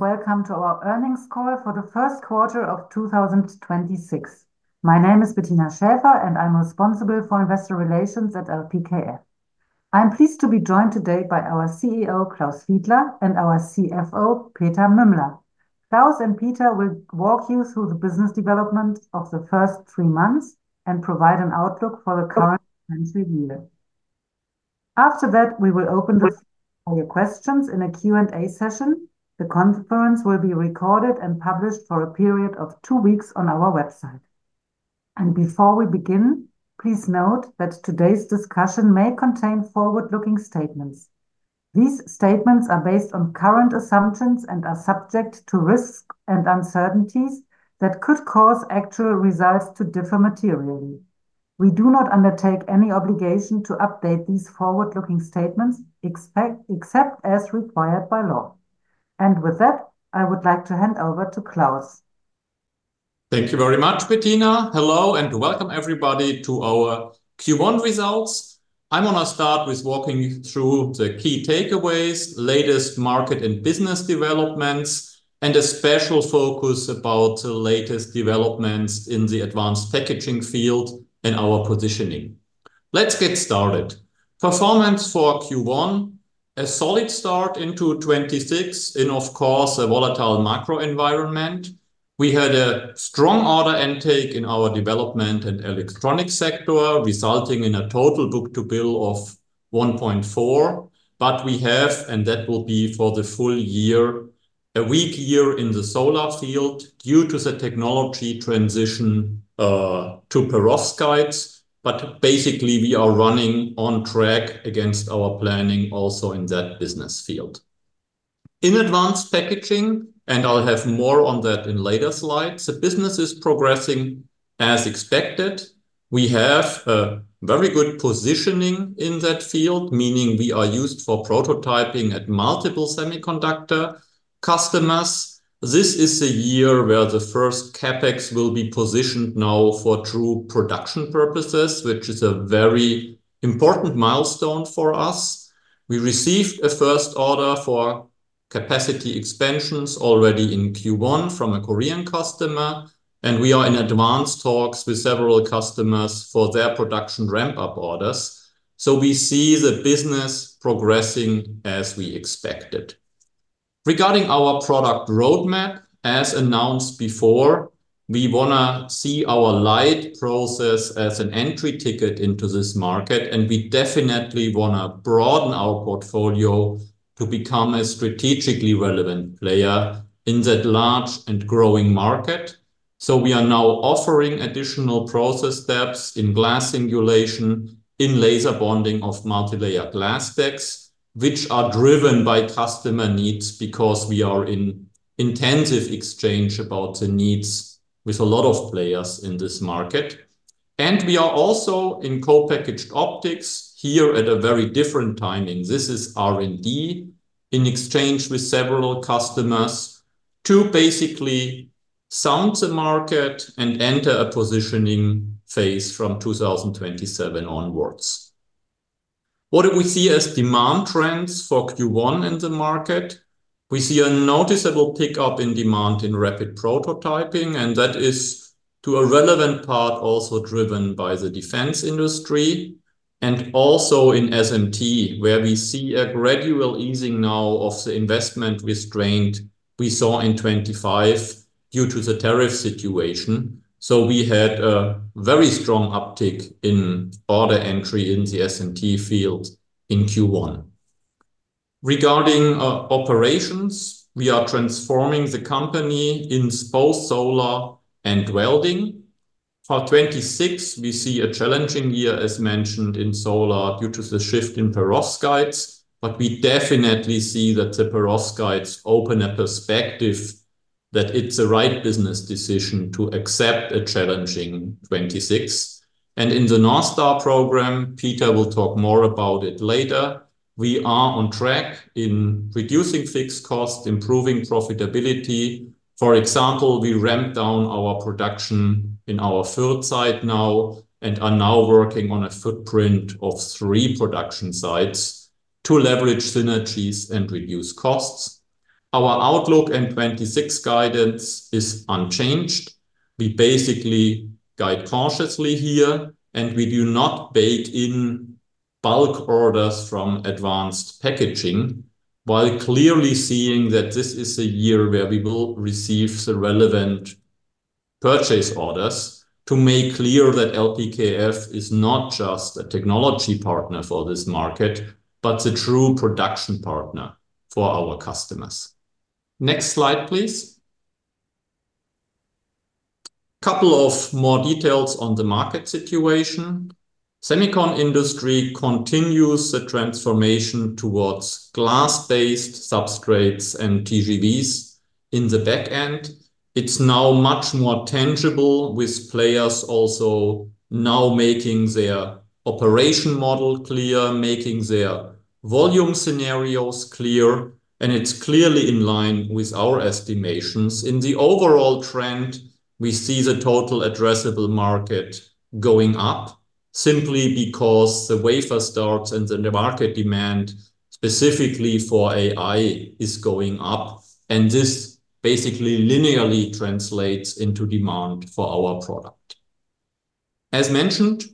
Welcome to our earnings call for the first quarter of 2026. My name is Bettina Schäfer, I'm responsible for investor relations at LPKF. I'm pleased to be joined today by our CEO, Klaus Fiedler, and our CFO, Peter Mümmler. Klaus and Peter will walk you through the business development of the first three months and provide an outlook for the current year. After that, we will open the floor for your questions in a Q&A session. The conference will be recorded and published for a period of two weeks on our website. Before we begin, please note that today's discussion may contain forward-looking statements. These statements are based on current assumptions and are subject to risks and uncertainties that could cause actual results to differ materially. We do not undertake any obligation to update these forward-looking statements except as required by law. With that, I would like to hand over to Klaus Fiedler. Thank you very much, Bettina. Hello, and welcome everybody to our Q1 results. I'm gonna start with walking you through the key takeaways, latest market and business developments, and a special focus about the latest developments in the advanced packaging field and our positioning. Let's get started. Performance for Q1, a solid start into 2026 in, of course, a volatile macro environment. We had a strong order intake in our development and electronic sector, resulting in a total book-to-bill of 1.4. We have, and that will be for the full year, a weak year in the solar field due to the technology transition to perovskites. Basically we are running on track against our planning also in that business field. In advanced packaging, and I'll have more on that in later slides, the business is progressing as expected. We have a very good positioning in that field, meaning we are used for prototyping at multiple semiconductor customers. This is a year where the first CapEx will be positioned now for true production purposes, which is a very important milestone for us. We received a first order for capacity expansions already in Q1 from a Korean customer, and we are in advanced talks with several customers for their production ramp-up orders. We see the business progressing as we expected. Regarding our product roadmap, as announced before, we wanna see our LIDE process as an entry ticket into this market, and we definitely wanna broaden our portfolio to become a strategically relevant player in that large and growing market. We are now offering additional process steps in glass singulation, in laser bonding of multilayer glass stacks, which are driven by customer needs because we are in intensive exchange about the needs with a lot of players in this market. We are also in co-packaged optics here at a very different timing. This is R&D in exchange with several customers to basically sound the market and enter a positioning phase from 2027 onwards. What do we see as demand trends for Q1 in the market? We see a noticeable pickup in demand in rapid prototyping, and that is to a relevant part also driven by the defense industry and also in SMT, where we see a gradual easing now of the investment restraint we saw in 2025 due to the tariff situation. We had a very strong uptick in order entry in the SMT field in Q1. Regarding operations, we are transforming the company in both solar and welding. For 2026, we see a challenging year, as mentioned, in solar due to the shift in perovskites. We definitely see that the perovskites open a perspective that it's the right business decision to accept a challenging 2026. In the North Star program, Peter will talk more about it later, we are on track in reducing fixed cost, improving profitability. For example, we ramped down our production in our third site now and are now working on a footprint of three production sites to leverage synergies and reduce costs. Our outlook in 2026 guidance is unchanged. We basically guide cautiously here. We do not bake in bulk orders from advanced packaging, while clearly seeing that this is a year where we will receive the relevant purchase orders to make clear that LPKF is not just a technology partner for this market, but the true production partner for our customers. Next slide, please. Couple of more details on the market situation. Semiconductor industry continues the transformation towards glass-based substrates and TGVs in the back end. It's now much more tangible with players also now making their operation model clear, making their volume scenarios clear. It's clearly in line with our estimations. In the overall trend, we see the total addressable market going up. Simply because the wafer starts and the market demand specifically for AI is going up. This basically linearly translates into demand for our product. As mentioned,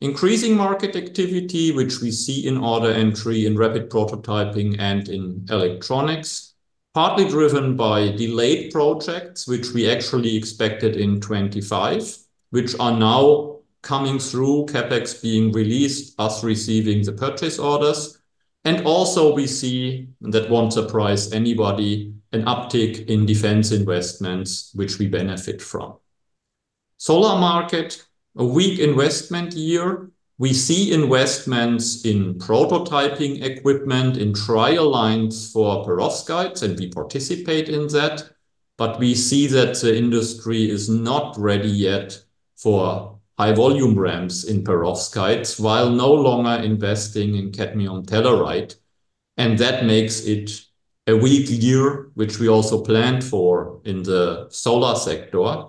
increasing market activity, which we see in order entry, in rapid prototyping, and in electronics, partly driven by delayed projects which we actually expected in 2025, which are now coming through CapEx being released, us receiving the POs. Also we see, that won't surprise anybody, an uptick in defense investments which we benefit from. Solar market, a weak investment year. We see investments in prototyping equipment, in trial lines for perovskites, we participate in that. We see that the industry is not ready yet for high volume ramps in perovskites, while no longer investing in cadmium telluride, that makes it a weak year, which we also planned for in the solar sector.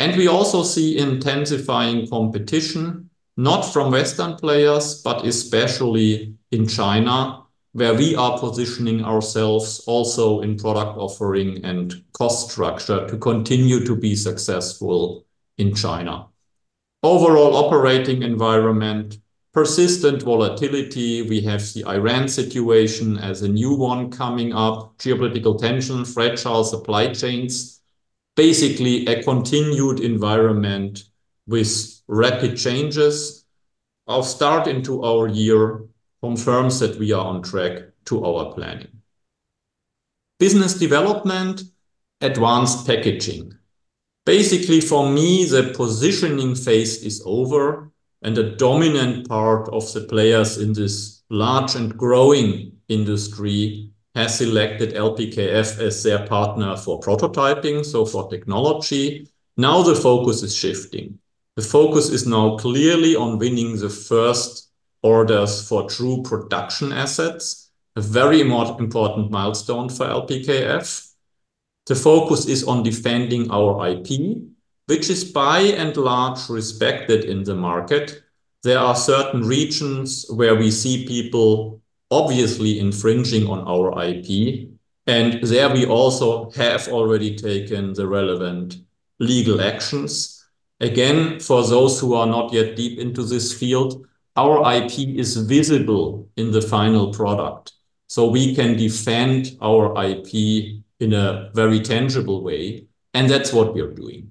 We also see intensifying competition, not from Western players, but especially in China, where we are positioning ourselves also in product offering and cost structure to continue to be successful in China. Overall operating environment, persistent volatility. We have the Iran situation as a new one coming up, geopolitical tension, fragile supply chains. A continued environment with rapid changes. Our start into our year confirms that we are on track to our planning. Business development, advanced packaging. For me, the positioning phase is over, and a dominant part of the players in this large and growing industry has selected LPKF as their partner for prototyping, so for technology. The focus is shifting. The focus is now clearly on winning the first orders for true production assets, a very more important milestone for LPKF. The focus is on defending our IP, which is by and large respected in the market. There are certain regions where we see people obviously infringing on our IP, and there we also have already taken the relevant legal actions. Again, for those who are not yet deep into this field, our IP is visible in the final product, so we can defend our IP in a very tangible way, and that's what we are doing.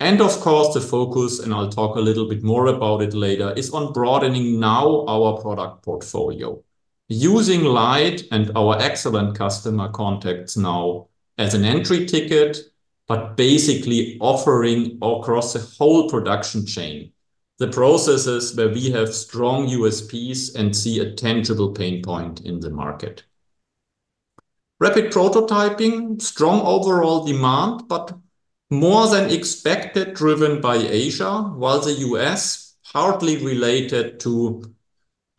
Of course, the focus, and I'll talk a little bit more about it later, is on broadening now our product portfolio. Using LIDE and our excellent customer contacts now as an entry ticket, but basically offering across the whole production chain the processes where we have strong USPs and see a tangible pain point in the market. Rapid prototyping, strong overall demand, but more than expected driven by Asia, while the U.S. hardly related to,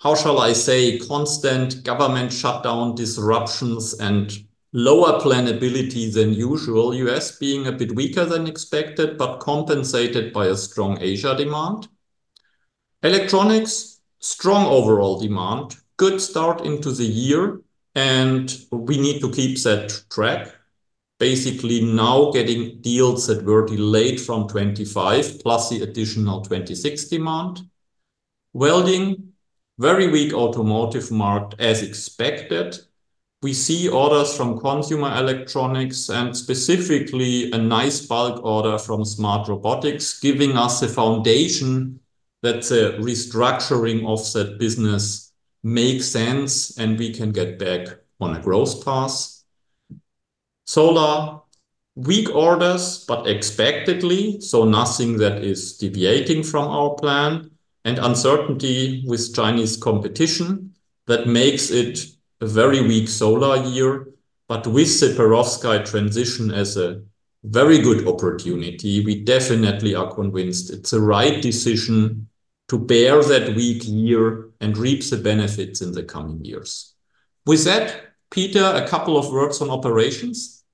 how shall I say, constant government shutdown disruptions and lower planability than usual, U.S. being a bit weaker than expected, but compensated by a strong Asia demand. Electronics, strong overall demand. We need to keep that track. Basically now getting deals that were delayed from 2025, plus the additional 2026 demand. Welding, very weak automotive market as expected. We see orders from consumer electronics and specifically a nice bulk order from Smart Robotics, giving us the foundation that the restructuring of that business makes sense, and we can get back on a growth path. Solar, weak orders, but expectedly, so nothing that is deviating from our plan, and uncertainty with Chinese competition that makes it a very weak solar year. With the perovskite transition as a very good opportunity, we definitely are convinced it's the right decision to bear that weak year and reap the benefits in the coming years. With that, Peter, a couple of words on operations.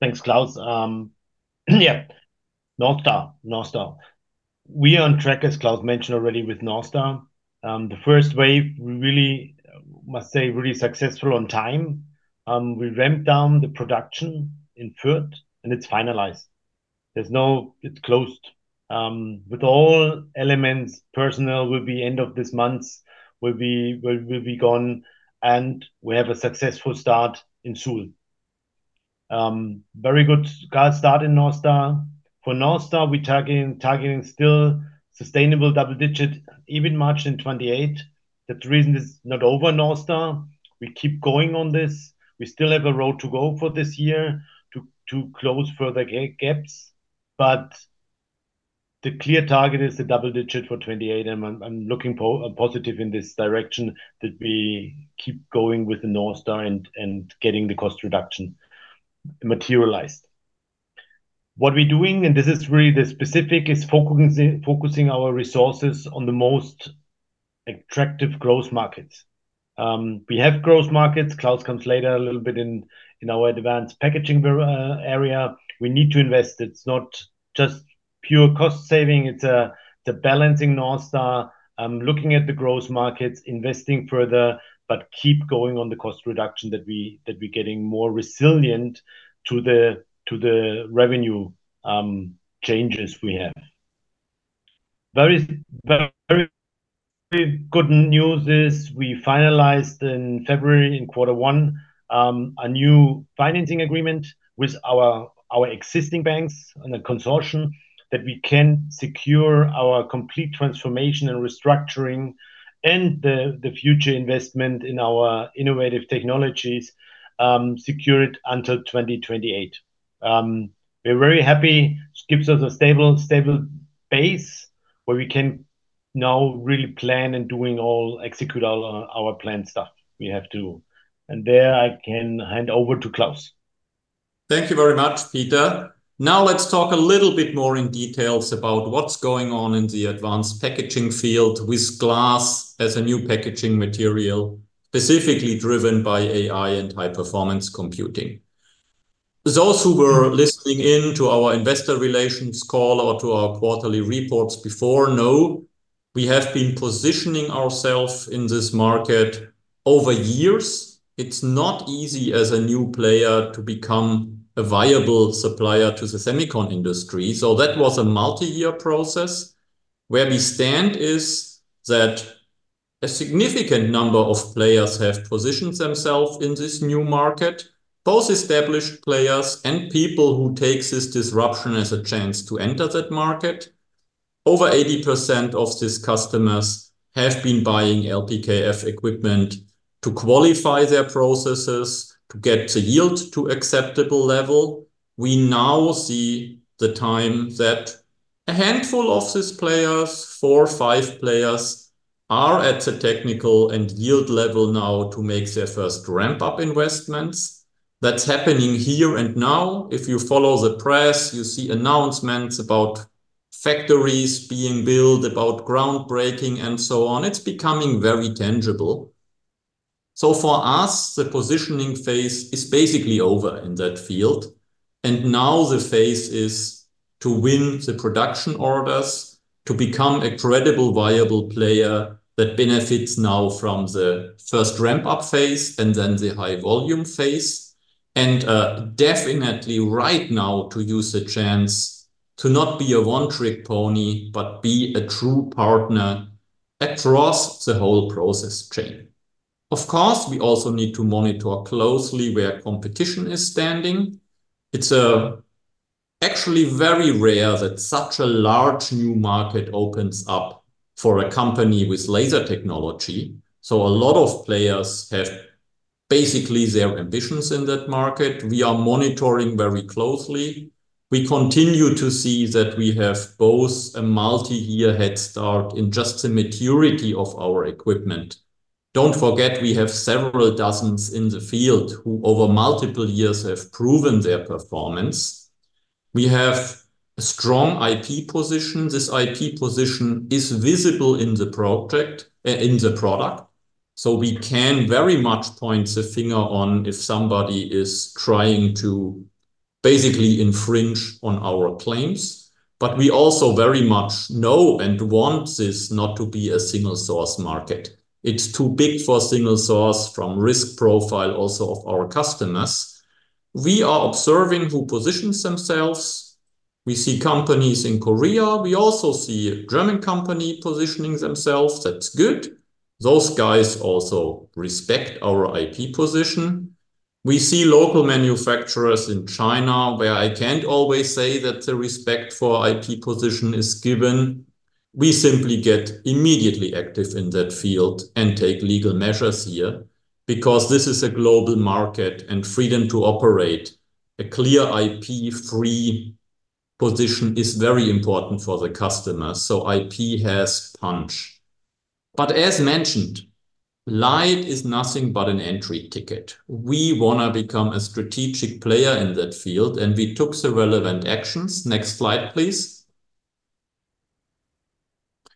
Thanks, Klaus. North Star. North Star. We are on track, as Klaus mentioned already, with North Star. The first wave, we must say, really successful on time. We ramped down the production in Fürth, and it's finalized. It's closed. With all elements, personnel will be end of this month will be gone, and we have a successful start in Suhl. Very good start in North Star. For North Star, we targeting still sustainable double-digit, even margin 2028. That reason is not over North Star. We keep going on this. We still have a road to go for this year to close further gaps. The clear target is the double-digit for 2028, and I'm looking positive in this direction that we keep going with the North Star and getting the cost reduction materialized. What we're doing, and this is really the specific, is focusing our resources on the most attractive growth markets. We have growth markets. Klaus comes later a little bit in our advanced packaging area. We need to invest. It's the balancing North Star, looking at the growth markets, investing further, but keep going on the cost reduction that we're getting more resilient to the revenue changes we have. Very, very good news is we finalized in February, in quarter one, a new financing agreement with our existing banks and the consortium that we can secure our complete transformation and restructuring and the future investment in our innovative technologies, secured until 2028. We're very happy. Gives us a stable base where we can now really plan and execute all our planned stuff we have to. There I can hand over to Klaus. Thank you very much, Peter. Let's talk a little bit more in details about what's going on in the advanced packaging field with glass as a new packaging material, specifically driven by AI and high-performance computing. Those who were listening in to our investor relations call or to our quarterly reports before know we have been positioning ourself in this market over years. It's not easy as a new player to become a viable supplier to the semicon industry. That was a multi-year process. Where we stand is that a significant number of players have positioned themself in this new market, both established players and people who takes this disruption as a chance to enter that market. Over 80% of these customers have been buying LPKF equipment to qualify their processes, to get the yield to acceptable level. We now see the time that a handful of these players, four or five players, are at the technical and yield level now to make their first ramp-up investments. That's happening here and now. If you follow the press, you see announcements about factories being built, about groundbreaking and so on. It's becoming very tangible. For us, the positioning phase is basically over in that field, and now the phase is to win the production orders, to become a credible, viable player that benefits now from the first ramp-up phase and then the high-volume phase. Definitely right now to use the chance to not be a one-trick pony but be a true partner across the whole process chain. Of course, we also need to monitor closely where competition is standing. It's actually very rare that such a large new market opens up for a company with laser technology, so a lot of players have basically their ambitions in that market. We are monitoring very closely. We continue to see that we have both a multi-year head start in just the maturity of our equipment. Don't forget, we have several dozens in the field who, over multiple years, have proven their performance. We have a strong IP position. This IP position is visible in the project, in the product, so we can very much point the finger on if somebody is trying to basically infringe on our claims. We also very much know and want this not to be a single-source market. It's too big for single source from risk profile also of our customers. We are observing who positions themselves. We see companies in Korea. We also see German company positioning themselves. That's good. Those guys also respect our IP position. We see local manufacturers in China, where I can't always say that the respect for IP position is given. We simply get immediately active in that field and take legal measures here because this is a global market, and freedom to operate a clear IP-free position is very important for the customer, so IP has punch. As mentioned, LIDE is nothing but an entry ticket. We want to become a strategic player in that field, and we took the relevant actions. Next slide, please.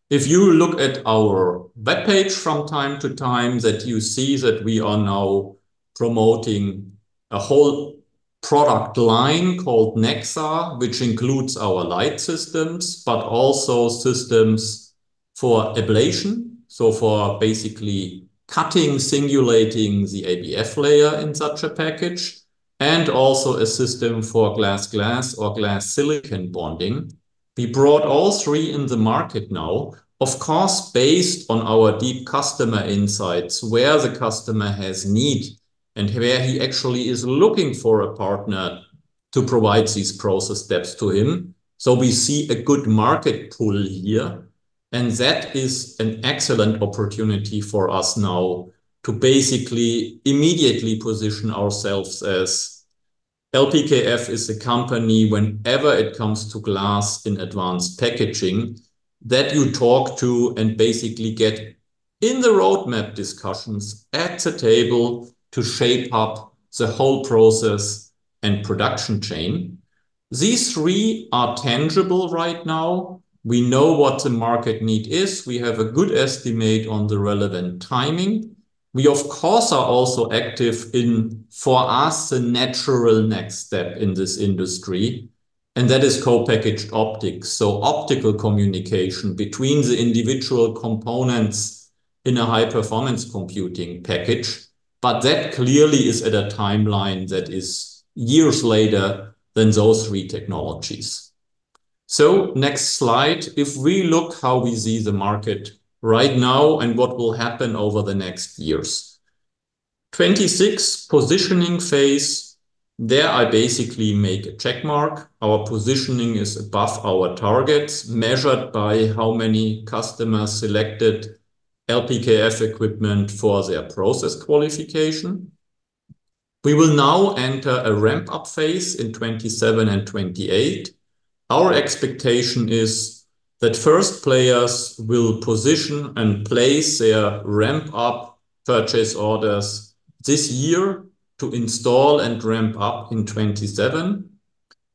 If you look at our webpage from time to time, you see that we are now promoting a whole product line called Nexa, which includes our LIDE systems but also systems for ablation, so for basically cutting, singulating the ABF layer in such a package, and also a system for glass-glass or glass-silicon bonding. We brought all three in the market now, of course based on our deep customer insights, where the customer has need and where he actually is looking for a partner to provide these process steps to him. We see a good market pull here, and that is an excellent opportunity for us now to basically immediately position ourselves as LPKF is the company, whenever it comes to glass in advanced packaging, that you talk to and basically get in the roadmap discussions at the table to shape up the whole process and production chain. These three are tangible right now. We know what the market need is. We have a good estimate on the relevant timing. We, of course, are also active in, for us, the natural next step in this industry, and that is co-packaged optics. Optical communication between the individual components in a high-performance computing package, but that clearly is at a timeline that is years later than those three technologies. Next slide. If we look how we see the market right now and what will happen over the next years. 2026 positioning phase, there I basically made a check mark. Our positioning is above our targets, measured by how many customers selected LPKF equipment for their process qualification. We will now enter a ramp-up phase in 2027 and 2028. Our expectation is that first players will position and place their ramp-up purchase orders this year to install and ramp up in 2027.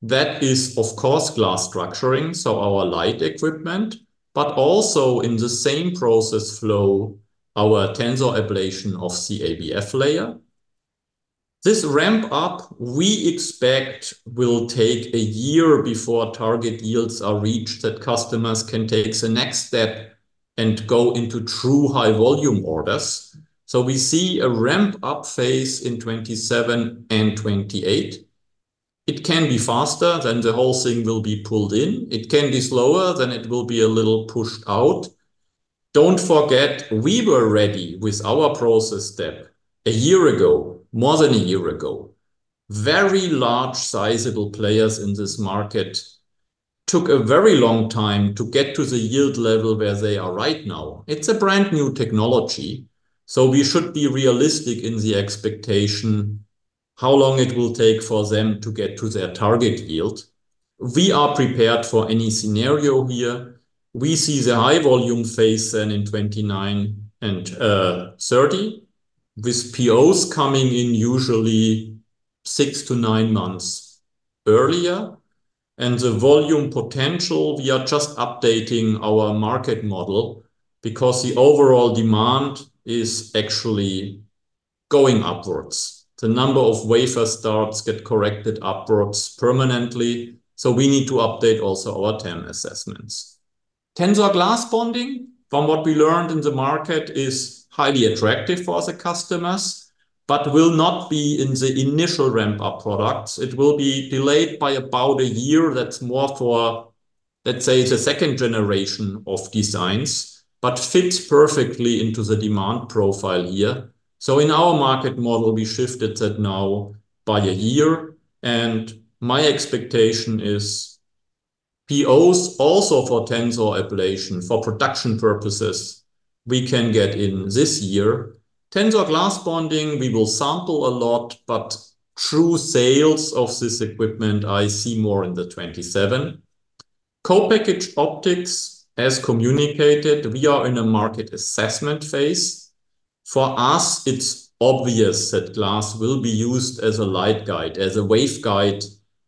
That is, of course, glass structuring, so our LIDE equipment. Also in the same process flow, our Tensor Ablation of the ABF layer. This ramp-up, we expect will take a year before target yields are reached that customers can take the next step and go into true high-volume orders. We see a ramp-up phase in 2027 and 2028. It can be faster, the whole thing will be pulled in. It can be slower, it will be a little pushed out. Don't forget, we were ready with our process step a year ago, more than a year ago. Very large sizable players in this market took a very long time to get to the yield level where they are right now. It's a brand-new technology, so we should be realistic in the expectation how long it will take for them to get to their target yield. We are prepared for any scenario here. We see the high volume phase then in 2029 and 2030, with POs coming in usually six to nine months earlier. The volume potential, we are just updating our market model because the overall demand is actually going upwards. The number of wafer starts get corrected upwards permanently, so we need to update also our TAM assessments. Tensor Bonding, from what we learned in the market, is highly attractive for the customers, but will not be in the initial ramp-up products. It will be delayed by about a year. That's more for, let's say, the second generation of designs, but fits perfectly into the demand profile here. In our market model, we shifted that now by a year, and my expectation is POs also for Tensor Ablation for production purposes, we can get in this year. Tensor Bonding, we will sample a lot, but true sales of this equipment, I see more in 2027. Co-packaged optics, as communicated, we are in a market assessment phase. For us, it's obvious that glass will be used as a LIDE guide, as a wave guide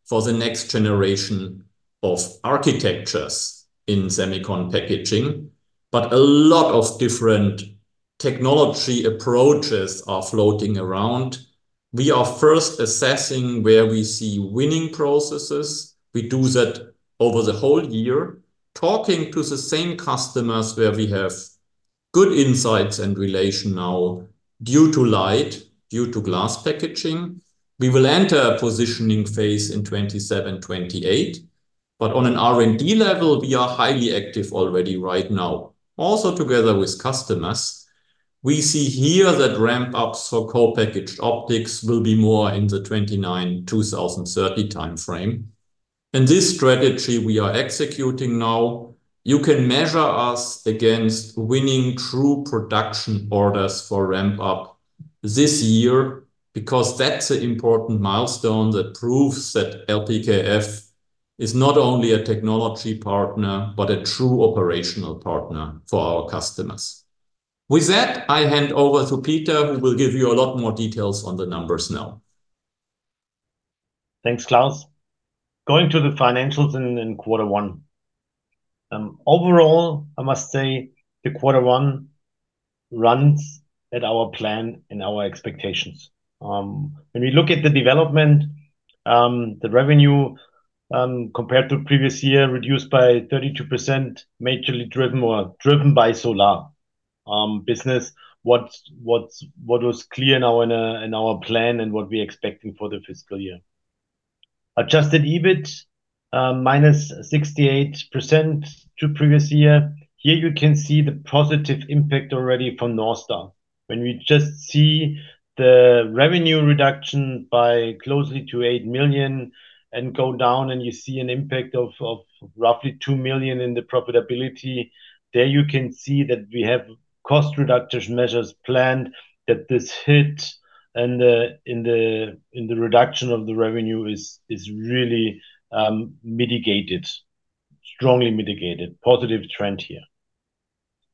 for the next generation of architectures in semicon packaging. A lot of different technology approaches are floating around. We are first assessing where we see winning processes. We do that over the whole year, talking to the same customers where we have good insights and relation now due to LIDE, due to glass packaging. We will enter a positioning phase in 2027, 2028. On an R&D level, we are highly active already right now, also together with customers. We see here that ramp-ups for co-packaged optics will be more in the 2029, 2030 timeframe. This strategy we are executing now, you can measure us against winning true production orders for ramp up this year because that's an important milestone that proves that LPKF is not only a technology partner, but a true operational partner for our customers. With that, I hand over to Peter, who will give you a lot more details on the numbers now. Thanks, Klaus. Going to the financials in Q1. Overall, I must say the Q1 runs at our plan and our expectations. When we look at the development, the revenue compared to previous year reduced by 32%, majorly driven or driven by solar business. What was clear now in our plan and what we are expecting for the fiscal year. Adjusted EBIT minus 68% to previous year. Here you can see the positive impact already from North Star. When we just see the revenue reduction by closely to 8 million and go down, and you see an impact of roughly 2 million in the profitability. There you can see that we have cost reduction measures planned, that this hit in the reduction of the revenue is really mitigated, strongly mitigated. Positive trend here.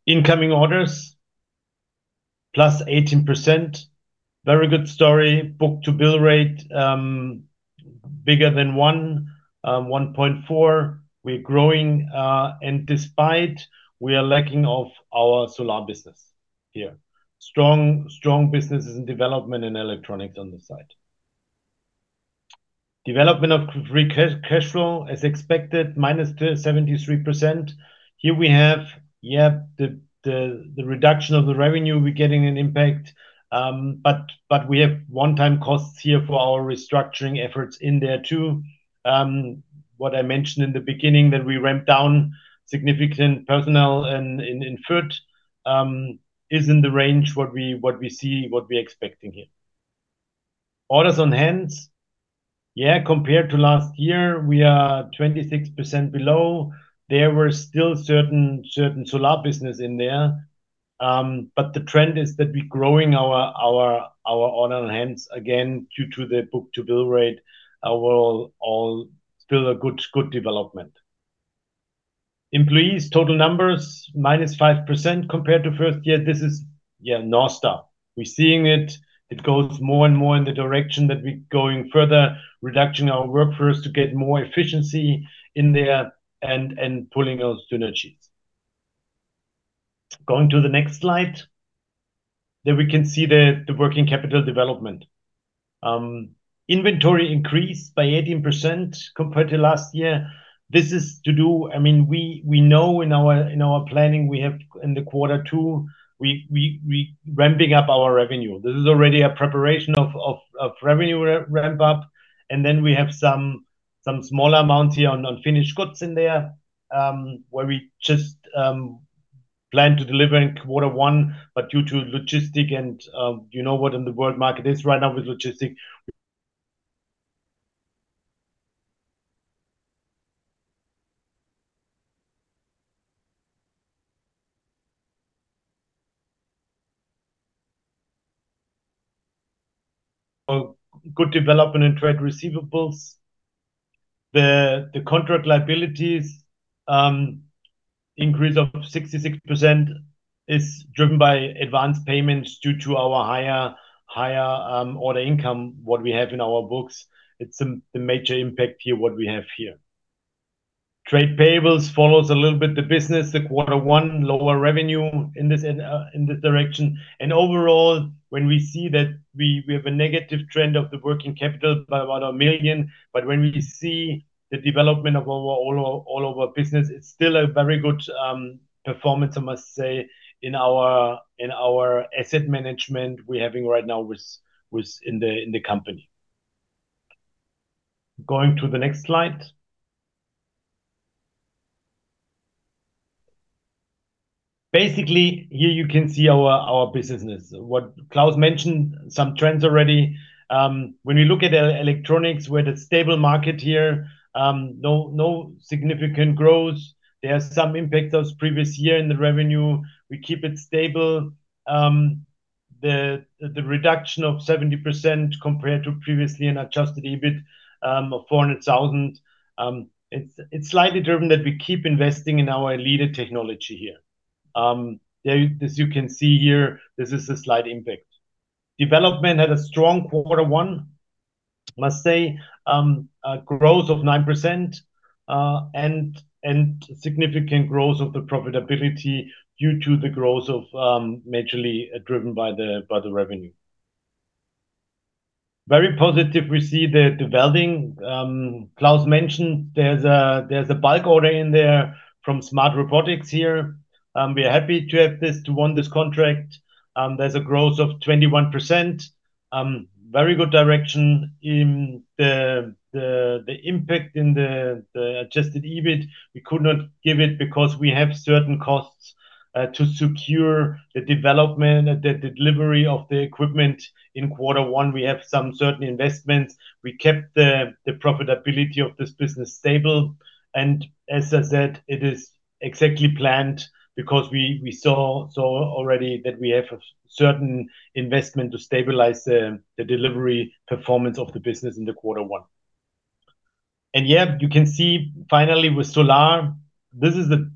Incoming orders plus 18%. Very good story. Book-to-bill rate bigger than 1.4. We're growing, despite we are lacking of our solar business here. Strong businesses in development and electronics on the side. Development of cash flow as expected, -73%. Here we have the reduction of the revenue, we're getting an impact. We have one-time costs here for our restructuring efforts in there too. What I mentioned in the beginning that we ramped down significant personnel and in [Fürth] is in the range what we see, what we're expecting here. Orders on hand, compared to last year, we are 26% below. There were still certain solar business in there. The trend is that we're growing our order on hands again due to the book-to-bill rate. Overall still a good development. Employees, total numbers, -5% compared to first year. This is, yeah, no stop. We're seeing it. It goes more and more in the direction that we're going further, reducing our workforce to get more efficiency in there and pulling those synergies. Going to the next slide. There we can see the working capital development. Inventory increased by 18% compared to last year. I mean, we know in our planning, we have in the Q2, we ramping up our revenue. This is already a preparation of revenue re-ramp up. We have some small amounts here on unfinished goods in there, where we just plan to deliver in Q1, but due to logistics and, you know what in the world market is right now with logistics. A good development in trade receivables. The contract liabilities, increase of 66% is driven by advanced payments due to our higher order income, what we have in our books. It's the major impact here, what we have here. Trade payables follows a little bit the business, the quarter one, lower revenue in this direction. Overall, when we see that we have a negative trend of the working capital by about 1 million, but when we see the development of all our business, it's still a very good performance, I must say, in our asset management we're having right now with in the company. Going to the next slide. Here you can see our business. What Klaus mentioned, some trends already. When we look at electronics, we're at a stable market here. No significant growth. There's some impact of previous year in the revenue. We keep it stable. The reduction of 70% compared to previously an adjusted EBIT of 400,000, it's slightly driven that we keep investing in our leading technology here. As you can see here, this is a slight impact. Development had a strong Q1, I must say. A growth of 9%, and significant growth of the profitability due to the growth of, majorly driven by the revenue. Very positive, we see the developing. Klaus mentioned there's a bulk order in there from Smart Robotics here. We are happy to won this contract. A growth of 21%. Very good direction in the impact in the adjusted EBIT. We could not give it because we have certain costs to secure the development and the delivery of the equipment. In Q1, we have some certain investments. We kept the profitability of this business stable. As I said, it is exactly planned because we saw already that we have a certain investment to stabilize the delivery performance of the business in the Q1. You can see finally with solar, this is a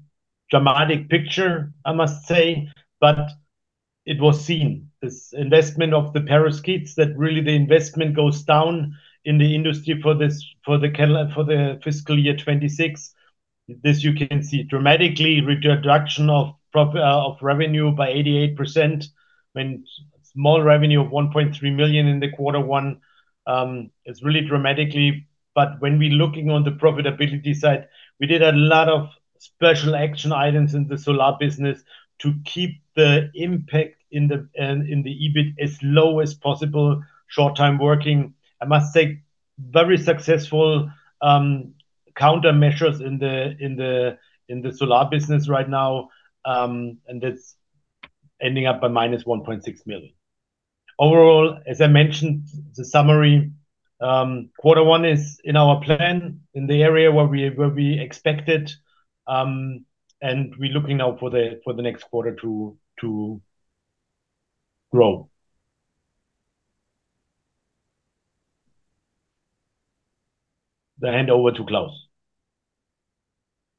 dramatic picture, I must say, but it was seen. This investment of the perovskites, that really the investment goes down in the industry for this, for the fiscal year 2026. This you can see dramatically reduction of revenue by 88%. When small revenue of 1.3 million in the Q1, it's really dramatic. When we're looking on the profitability side, we did a lot of special action items in the solar business to keep the impact in the EBIT as low as possible, short-time working. I must say, very successful countermeasures in the solar business right now. That's ending up at minus 1.6 million. Overall, as I mentioned, the summary, Q1 is in our plan in the area where we expected. We're looking now for the next quarter to grow. The handover to Klaus.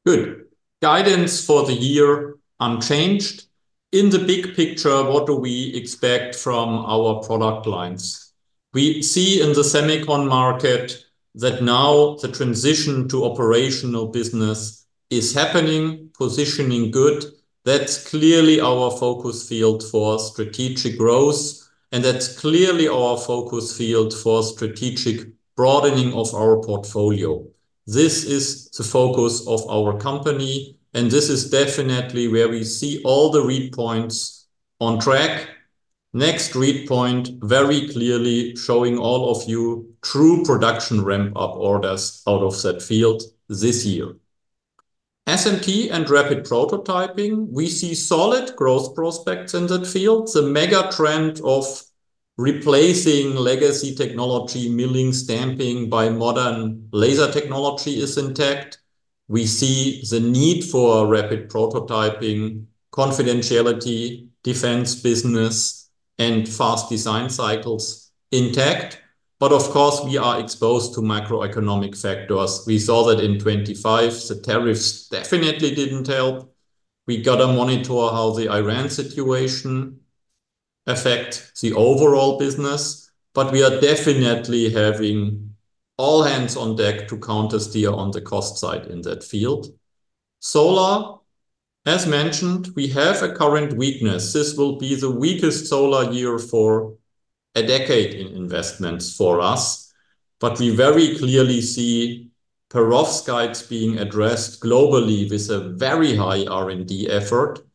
Good. Guidance for the year unchanged. In the big picture, what do we expect from our product lines? We see in the semicon market that now the transition to operational business is happening, positioning good. That's clearly our focus field for strategic growth, and that's clearly our focus field for strategic broadening of our portfolio. This is the focus of our company, and this is definitely where we see all the read points on track. Next read point very clearly showing all of you true production ramp-up orders out of that field this year. SMT and rapid prototyping, we see solid growth prospects in that field. The mega trend of replacing legacy technology, milling, stamping by modern laser technology is intact. We see the need for rapid prototyping, confidentiality, defense business, and fast design cycles intact. Of course, we are exposed to macroeconomic factors. We saw that in 2025, the tariffs definitely didn't help. We got to monitor how the Iran situation affect the overall business, but we are definitely having all hands on deck to countersteer on the cost side in that field. Solar, as mentioned, we have a current weakness. This will be the weakest solar year for a decade in investments for us. We very clearly see perovskites being addressed globally with a very high R&D effort,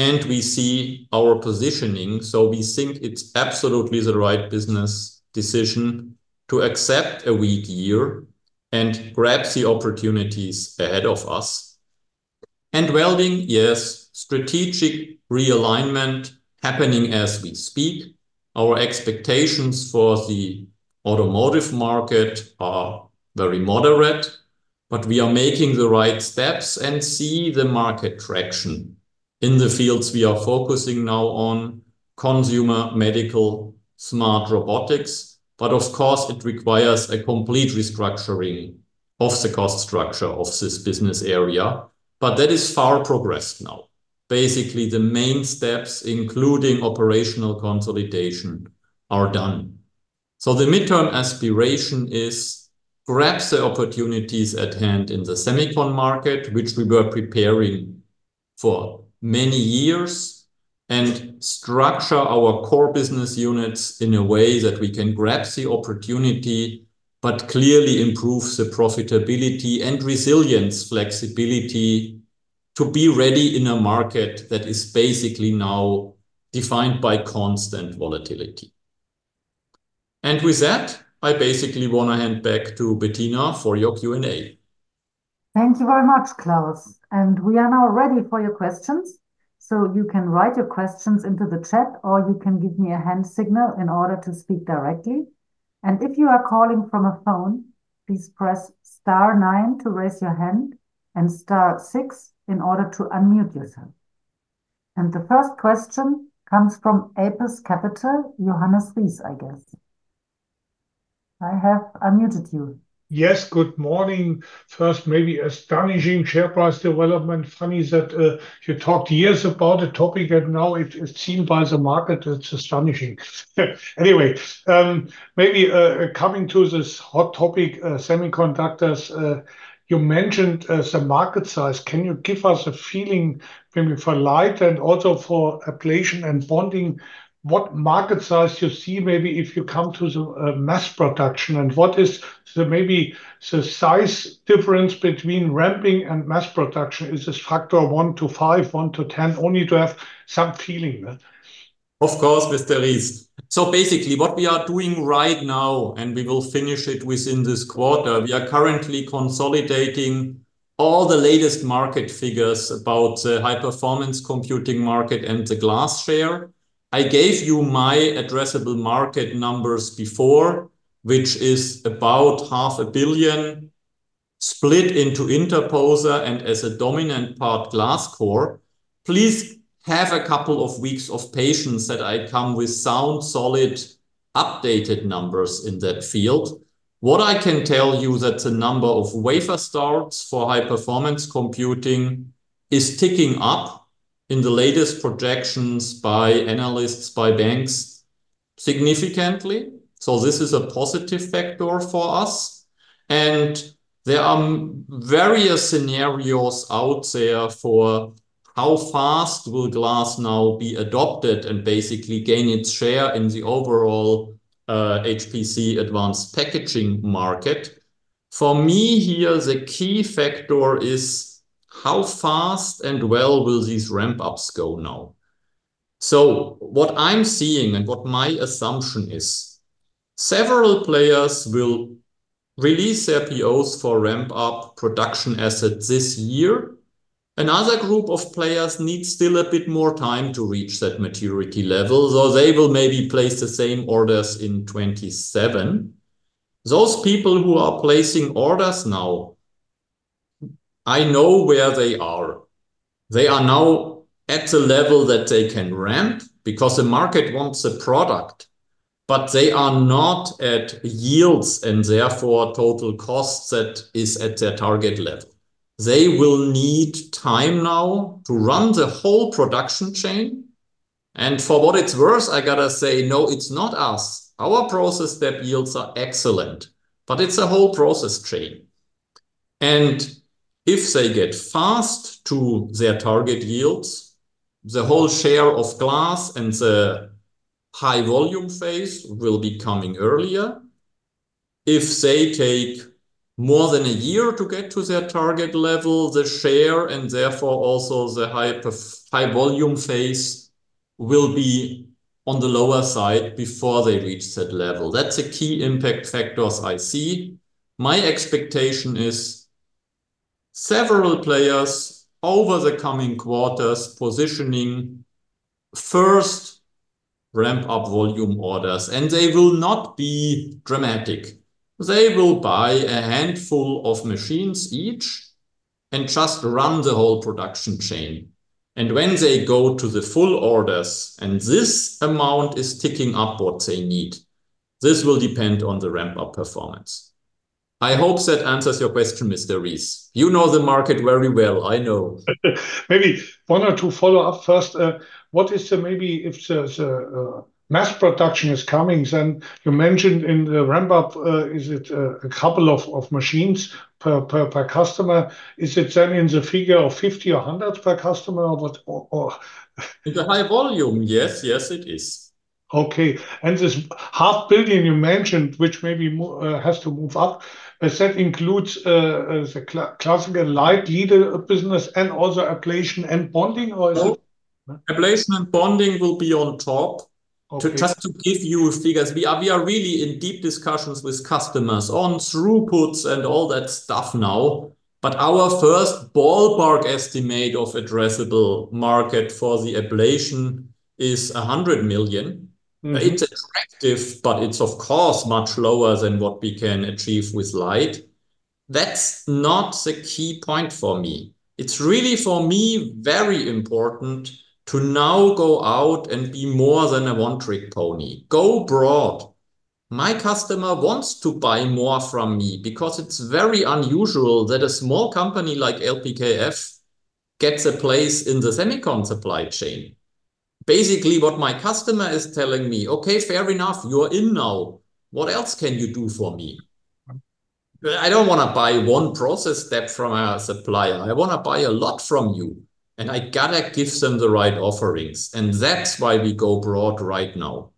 and we see our positioning. We think it's absolutely the right business decision to accept a weak year and grab the opportunities ahead of us. Welding, yes, strategic realignment happening as we speak. Our expectations for the automotive market are very moderate, but we are making the right steps and see the market traction. In the fields we are focusing now on consumer, medical, Smart Robotics. Of course, it requires a complete restructuring of the cost structure of this business area. That is far progressed now. Basically, the main steps, including operational consolidation, are done. The midterm aspiration is grab the opportunities at hand in the semicon market, which we were preparing for many years, and structure our core business units in a way that we can grab the opportunity, but clearly improve the profitability and resilience, flexibility to be ready in a market that is basically now defined by constant volatility. I basically want to hand back to Bettina for your Q&A. Thank you very much, Klaus. We are now ready for your questions. You can write your questions into the chat, or you can give me a hand signal in order to speak directly. If you are calling from a phone, please press star nine to raise your hand and star six in order to unmute yourself. The first question comes from APUS Capital, Johannes Ries, I guess. I have unmuted you. Yes, good morning. First, maybe astonishing share price development. Funny that you talked years about a topic and now it's seen by the market, it's astonishing. Anyway, maybe coming to this hot topic, semiconductors, you mentioned the market size. Can you give us a feeling maybe for LIDE and also for ablation and bonding, what market size you see maybe if you come to the mass production and what is the maybe the size difference between ramping and mass production? Is this factor one to five, one to 10, only to have some feeling? Of course, Mr. Ries. Basically what we are doing right now, and we will finish it within this quarter, we are currently consolidating all the latest market figures about the high-performance computing market and the glass share. I gave you my addressable market numbers before, which is about 0.5 billion split into interposer and as a dominant part glass core. Please have a couple of weeks of patience that I come with sound, solid, updated numbers in that field. What I can tell you that the number of wafer starts for high-performance computing is ticking up in the latest projections by analysts, by banks significantly. This is a positive factor for us. There are various scenarios out there for how fast will glass now be adopted and basically gain its share in the overall HPC advanced packaging market. What I'm seeing and what my assumption is, several players will release their POs for ramp-up production assets this year. Another group of players need still a bit more time to reach that maturity level. They will maybe place the same orders in 2027. Those people who are placing orders now, I know where they are. They are now at the level that they can ramp because the market wants a product, but they are not at yields, and therefore total cost that is at their target level. They will need time now to run the whole production chain, and for what it's worth, I gotta say no, it's not us. Our process step yields are excellent, but it's a whole process chain. If they get fast to their target yields, the whole share of glass and the high volume phase will be coming earlier. If they take more than a year to get to their target level, the share, and therefore also the high volume phase will be on the lower side before they reach that level. That's a key impact factors I see. My expectation is several players over the coming quarters positioning first ramp-up volume orders. They will not be dramatic. They will buy a handful of machines each and just run the whole production chain. When they go to the full orders, and this amount is ticking up what they need, this will depend on the ramp-up performance. I hope that answers your question, Mr. Ries. You know the market very well, I know. Maybe one or two follow-up first. What is the maybe if the mass production is coming, then you mentioned in the ramp-up, is it a couple of machines per customer? Is it then in the figure of 50 or 100 per customer, or what? In the high volume, yes. Yes, it is. Okay. This 0.5 Billion you mentioned, which maybe has to move up, does that includes the classic and LIDE leader business and also ablation and bonding? No. Ablation and bonding will be on top. Okay. Just to give you figures, we are really in deep discussions with customers on throughputs and all that stuff now. Our first ballpark estimate of addressable market for the ablation is 100 million. Mm-hmm. It's attractive, but it's of course much lower than what we can achieve with LIDE. That's not the key point for me. It's really for me very important to now go out and be more than a one-trick pony. Go broad. My customer wants to buy more from me because it's very unusual that a small company like LPKF gets a place in the semicon supply chain. Basically, what my customer is telling me, "Okay, fair enough, you're in now. What else can you do for me? Right. I don't wanna buy one process step from a supplier. I wanna buy a lot from you. I gotta give them the right offerings, and that's why we go broad right now.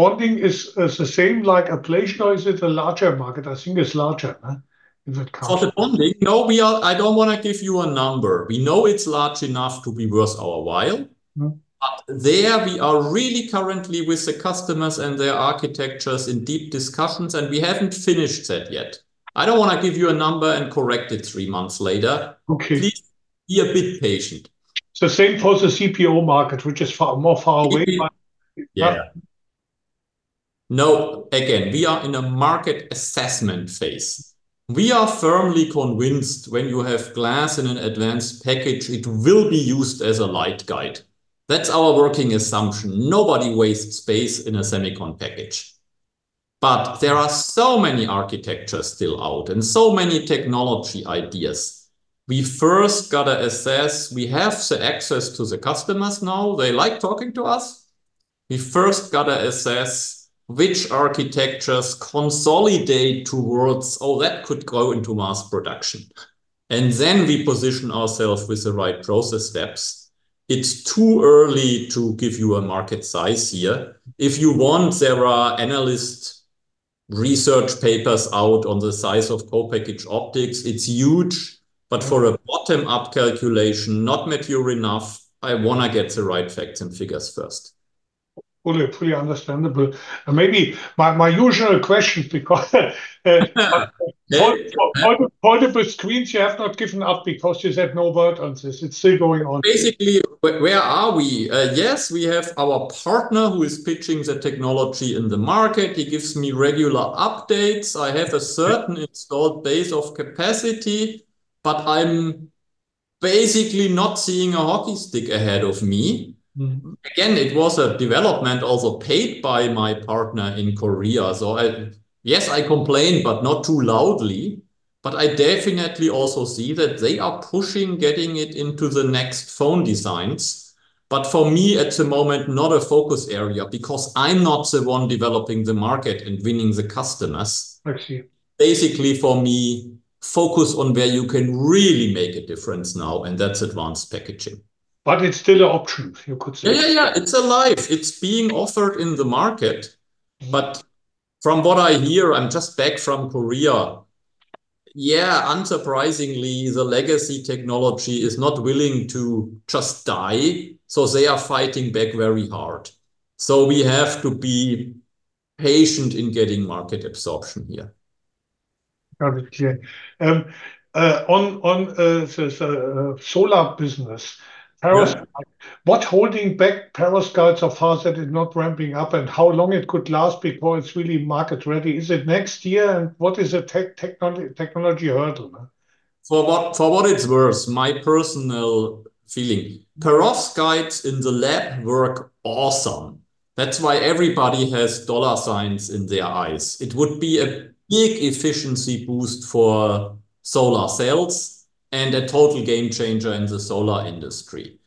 Bonding is the same like ablation, or is it a larger market? I think it's larger, huh, in that case. For the bonding, no, I don't want to give you a number. We know it's large enough to be worth our while. Mm-hmm. There we are really currently with the customers and their architectures in deep discussions, and we haven't finished that yet. I don't want to give you a number and correct it three months later. Okay. Please be a bit patient. Same for the CPO market, which is far, more far away. Yeah. No, again, we are in a market assessment phase. We are firmly convinced when you have glass in an advanced package, it will be used as a LIDE guide. That's our working assumption. Nobody wastes space in a semicon package. There are so many architectures still out and so many technology ideas. We first gotta assess. We have the access to the customers now. They like talking to us. We first gotta assess which architectures consolidate towards, "Oh, that could go into mass production." Then we position ourselves with the right process steps. It's too early to give you a market size here. If you want, there are analyst research papers out on the size of co-packaged optics. It's huge. Right. For a bottom-up calculation, not mature enough. I wanna get the right facts and figures first. Fully understandable. Maybe my usual question because foldable screens you have not given up because you said no word on this? It's still going on? Basically, where are we? Yes, we have our partner who is pitching the technology in the market. He gives me regular updates. I have a certain installed base of capacity, but I'm basically not seeing a hockey stick ahead of me. Mm-hmm. Again, it was a development also paid by my partner in Korea. Yes, I complain, but not too loudly. I definitely also see that they are pushing getting it into the next phone designs. For me at the moment, not a focus area because I'm not the one developing the market and winning the customers. I see. Basically for me, focus on where you can really make a difference now, and that's advanced packaging. It's still a option, you could say. Yeah, yeah. It's alive. It's being offered in the market. From what I hear, I am just back from Korea, yeah, unsurprisingly the legacy technology is not willing to just die. They are fighting back very hard. We have to be patient in getting market absorption here. Okay. on the solar business. Yeah. Perovskite. What holding back perovskites apart that it's not ramping up, how long it could last before it's really market ready? Is it next year? What is the technology hurdle, huh? For what it's worth, my personal feeling, perovskites in the lab work awesome. That's why everybody has dollar signs in their eyes. It would be a big efficiency boost for solar cells and a total game changer in the solar industry.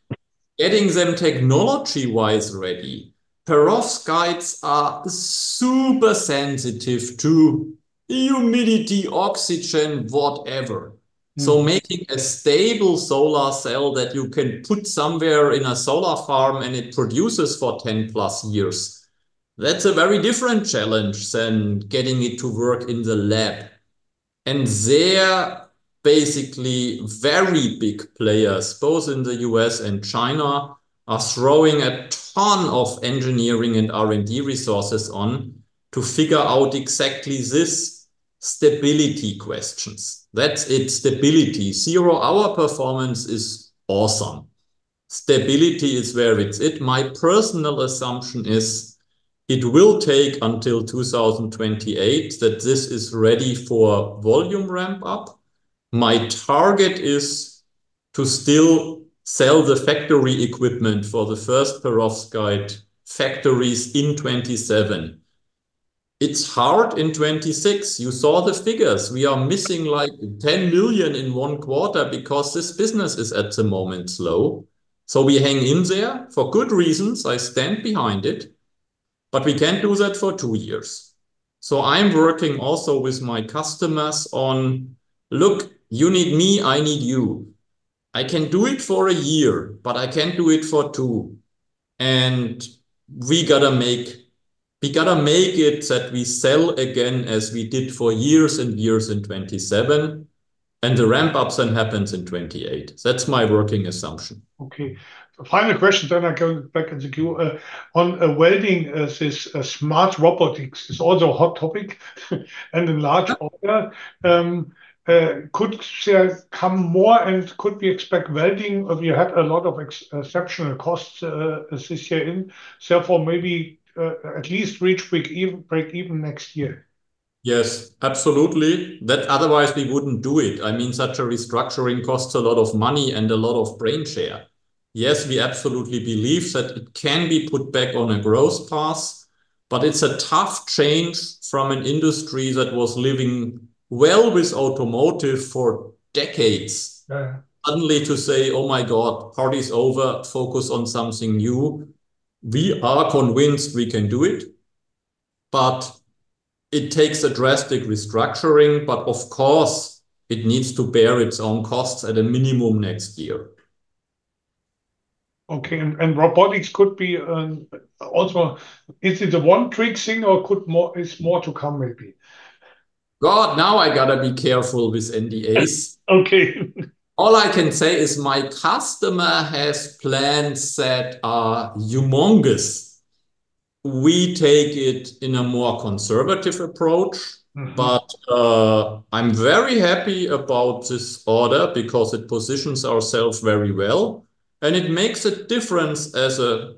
Getting them technology-wise ready, perovskites are super sensitive to humidity, oxygen, whatever. Mm. Making a stable solar cell that you can put somewhere in a solar farm and it produces for 10+ years, that's a very different challenge than getting it to work in the lab. They're basically very big players, both in the U.S. and China, are throwing a ton of engineering and R&D resources on to figure out exactly this stability questions. That's it, stability. Zero-hour performance is awesome. Stability is where it's at. My personal assumption is it will take until 2028 that this is ready for volume ramp-up. My target is to still sell the factory equipment for the first perovskite factories in 2027. It's hard in 2026. You saw the figures. We are missing, like, 10 million in one quarter because this business is at the moment slow. We hang in there. For good reasons, I stand behind it, but we can't do that for two years. I'm working also with my customers on, "Look, you need me, I need you. I can do it for one year, but I can't do it for two." We gotta make it that we sell again as we did for years and years in 2027, and the ramp up then happens in 2028. That's my working assumption. Okay. Final question, then I go back in the queue. On welding, this Smart Robotics is also a hot topic and a large offer. Could share come more, and could we expect welding, or we had a lot of exceptional costs associated, therefore maybe, at least reach break even next year? Yes, absolutely. That otherwise we wouldn't do it. I mean, such a restructuring costs a lot of money and a lot of brain share. Yes, we absolutely believe that it can be put back on a growth path, but it's a tough change from an industry that was living well with automotive for decades. Yeah. Suddenly to say, "Oh my God, party's over. Focus on something new." We are convinced we can do it, but it takes a drastic restructuring. Of course, it needs to bear its own costs at a minimum next year. Okay. Robotics could be, also, is it a one trick thing or could more, is more to come maybe? God, now I gotta be careful with NDAs. Okay. All I can say is my customer has plans that are humongous. We take it in a more conservative approach. Mm-hmm. I'm very happy about this order because it positions ourselves very well, and it makes a difference as a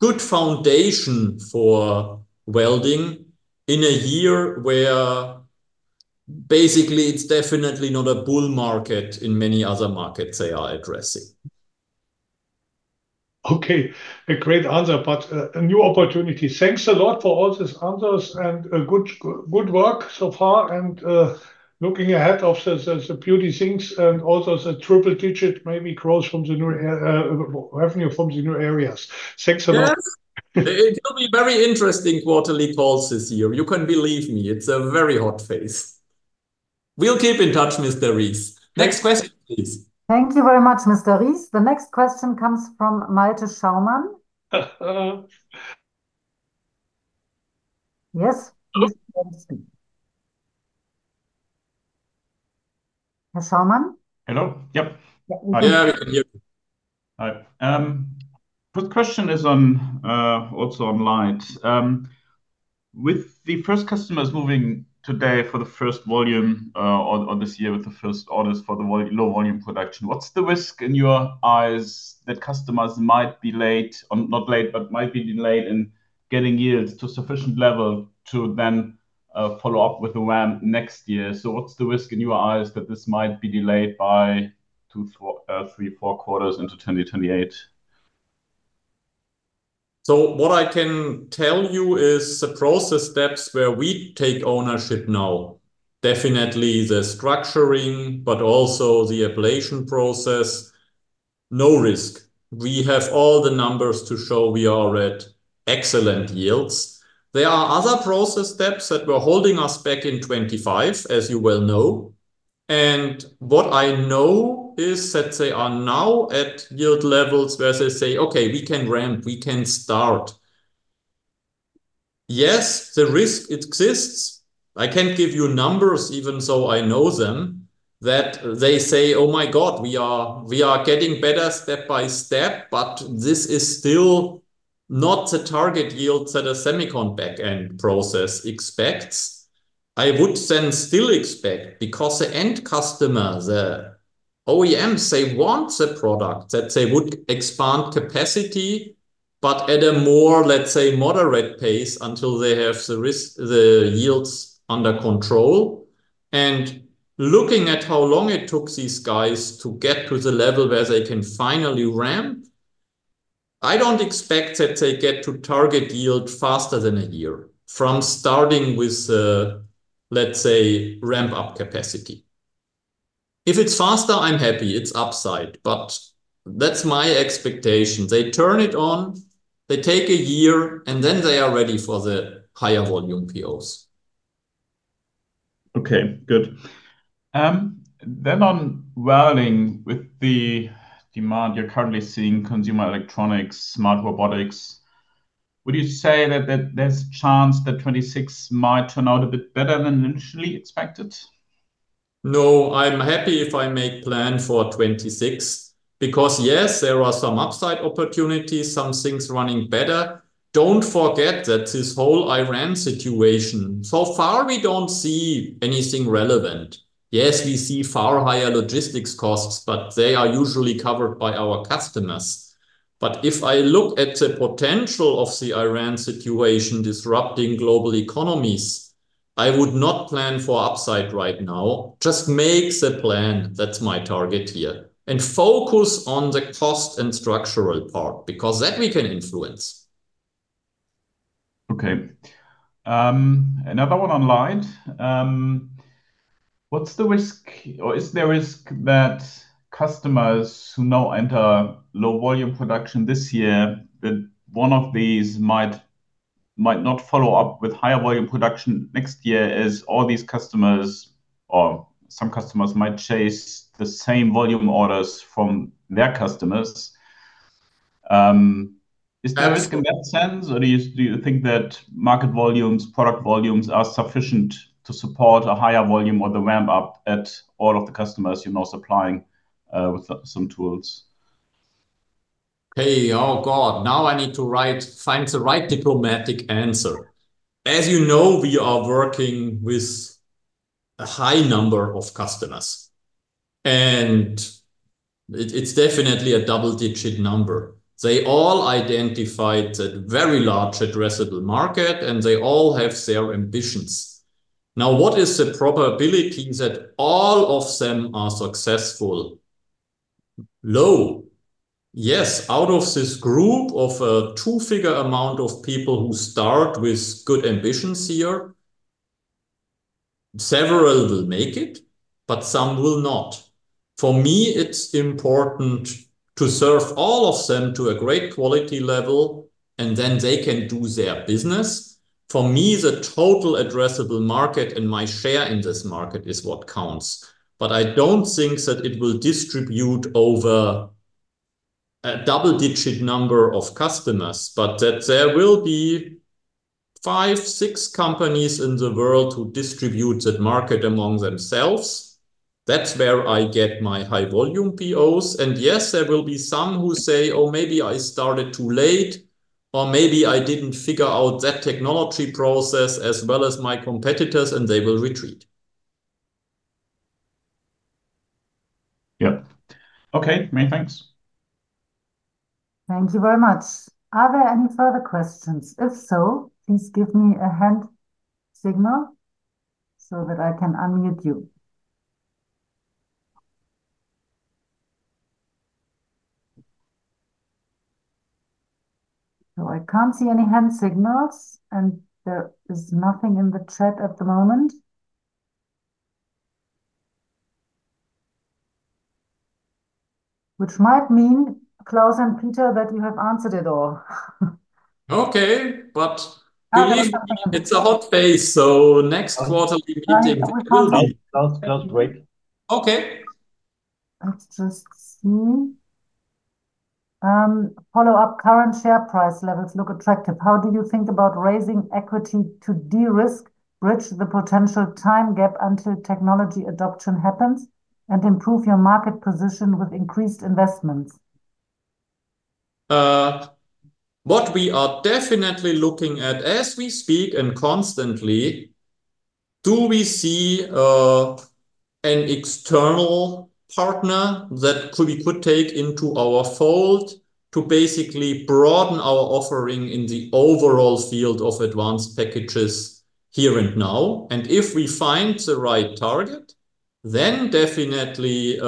good foundation for building in a year where basically it's definitely not a bull market in many other markets they are addressing. Okay. A great answer, but a new opportunity. Thanks a lot for all these answers, good work so far. Looking ahead also there's the beauty things and also the triple digit maybe growth from the new revenue from the new areas. Thanks a lot. Yes. It will be very interesting quarterly calls this year. You can believe me. It's a very hot phase. We'll keep in touch, Mr. Ries. Next question, please. Thank you very much, Mr. Ries. The next question comes from Malte Schaumann. Yes. Mr. Schaumann? Mr. Schaumann? Hello? Yep. Yeah. We can hear you. Hi. first question is on also on LIDE. with the first customers moving today for the first volume or this year with the first orders for the low volume production, what's the risk in your eyes that customers might be late or not late, but might be delayed in getting yields to a sufficient level to then follow up with the ramp next year? What's the risk in your eyes that this might be delayed by two, four, three, four quarters into 2028? What I can tell you is the process steps where we take ownership now, definitely the structuring but also the ablation process, no risk. We have all the numbers to show we are at excellent yields. There are other process steps that were holding us back in 2025, as you well know, and what I know is that they are now at yield levels where they say, "Okay, we can ramp. We can start." The risk, it exists. I can't give you numbers even though I know them, that they say, "Oh my God, we are getting better step by step," but this is still not the target yields that a semicon backend process expects. I would still expect, because the end customer, the OEMs, they want the product, that they would expand capacity at a more, let's say, moderate pace until they have the yields under control. Looking at how long it took these guys to get to the level where they can finally ramp, I don't expect that they get to target yield faster than a year from starting with, let's say, ramp-up capacity. If it's faster, I'm happy. It's upside. That's my expectation. They turn it on, they take a year, and then they are ready for the higher volume POs. Okay, good. On welding with the demand you're currently seeing consumer electronics, Smart Robotics, would you say that there's chance that 2026 might turn out a bit better than initially expected? No. I'm happy if I make plan for 2026 because, yes, there are some upside opportunities, some things running better. Don't forget that this whole Iran situation, so far we don't see anything relevant. Yes, we see far higher logistics costs, but they are usually covered by our customers. If I look at the potential of the Iran situation disrupting global economies, I would not plan for upside right now. Just make the plan. That's my target here. Focus on the cost and structural part because that we can influence. Okay. Another one online. What's the risk or is there a risk that customers who now enter low volume production this year, that one of these might not follow up with higher volume production next year as all these customers or some customers might chase the same volume orders from their customers? Is there risk in that sense? Or do you think that market volumes, product volumes are sufficient to support a higher volume or the ramp-up at all of the customers you're now supplying with some tools? Hey. Oh, God, now I need to find the right diplomatic answer. As you know, we are working with a high number of customers, and it's definitely a double-digit number. They all identified that very large addressable market. They all have their ambitions. What is the probability that all of them are successful? Low. Yes, out of this group of a two-figure amount of people who start with good ambitions here, several will make it, but some will not. For me, it's important to serve all of them to a great quality level, and then they can do their business. For me, the total addressable market and my share in this market is what counts. I don't think that it will distribute over a double-digit number of customers, but that there will be five, six companies in the world who distribute that market among themselves. That's where I get my high volume POs. Yes, there will be some who say, "Oh, maybe I started too late," or, "Maybe I didn't figure out that technology process as well as my competitors," and they will retreat. Yep. Okay. Many thanks. Thank you very much. Are there any further questions? If so, please give me a hand signal so that I can unmute you. I can't see any hand signals, and there is nothing in the chat at the moment. Which might mean, Klaus and Peter, that you have answered it all. Okay. believe me. No, there's something. It's a hot pace, so next quarter we meet in February. No, I think we can. Klaus, Klaus, wait. Okay. Let's just see. Follow-up. Current share price levels look attractive. How do you think about raising equity to de-risk, bridge the potential time gap until technology adoption happens, and improve your market position with increased investments? What we are definitely looking at as we speak and constantly, do we see an external partner that we could take into our fold to basically broaden our offering in the overall field of advanced packages here and now? If we find the right target, then definitely,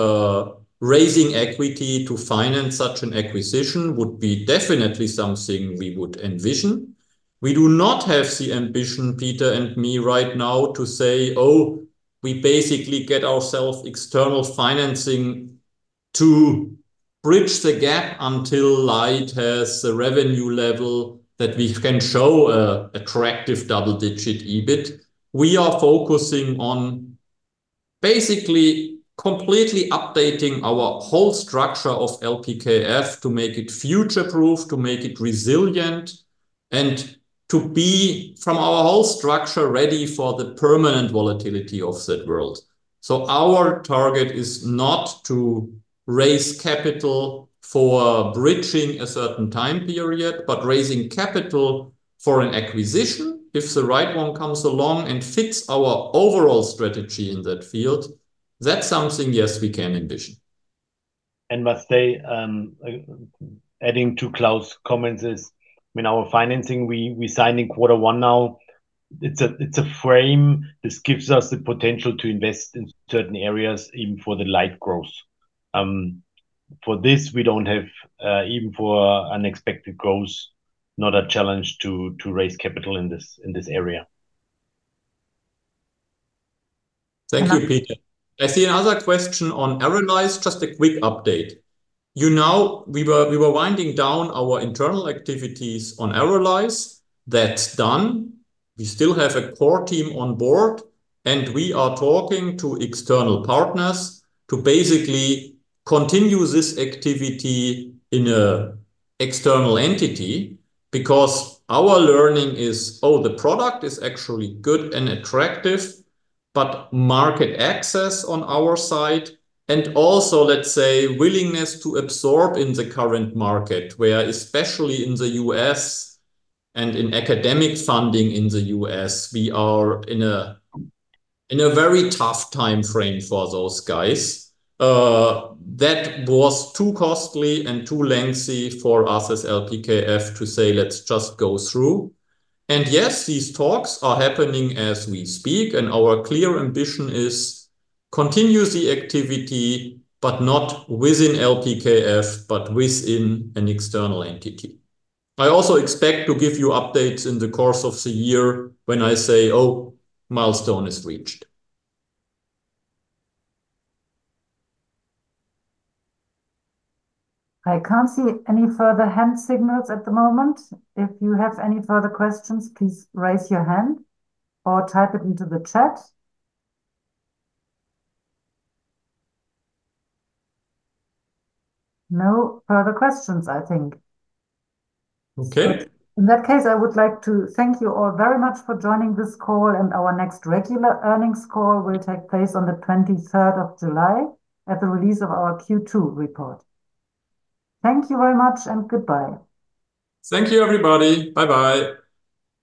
raising equity to finance such an acquisition would be definitely something we would envision. We do not have the ambition, Peter and me right now, to say, "Oh, we basically get ourself external financing to bridge the gap until LIDE has the revenue level that we can show a attractive double-digit EBIT." We are focusing on basically completely updating our whole structure of LPKF to make it future-proof, to make it resilient, and to be, from our whole structure, ready for the permanent volatility of that world. Our target is not to raise capital for bridging a certain time period, but raising capital for an acquisition if the right one comes along and fits our overall strategy in that field. That's something, yes, we can envision. Must say, adding to Klaus' comments is when our financing we sign in quarter one now, it's a frame. This gives us the potential to invest in certain areas even for the LIDE growth. For this we don't have, even for unexpected growth, not a challenge to raise capital in this area. Thank you, Peter. I see another question on ARRALYZE. Just a quick update. You know, we were winding down our internal activities on ARRALYZE. That's done. We still have a core team on board, and we are talking to external partners to basically continue this activity in an external entity because our learning is, oh, the product is actually good and attractive, but market access on our side and also, let's say, willingness to absorb in the current market where, especially in the U.S. and in academic funding in the U.S. we are in a very tough timeframe for those guys. That was too costly and too lengthy for us as LPKF to say, "Let's just go through." Yes, these talks are happening as we speak, and our clear ambition is continue the activity, but not within LPKF, but within an external entity. I also expect to give you updates in the course of the year when I say, "Oh, milestone is reached. I can't see any further hand signals at the moment. If you have any further questions, please raise your hand or type it into the chat. No further questions, I think. Okay. In that case, I would like to thank you all very much for joining this call, and our next regular earnings call will take place on the July 23rd, at the release of our Q2 report. Thank you very much, and goodbye. Thank you everybody. Bye bye.